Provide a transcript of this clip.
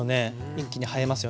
一気に映えますよね。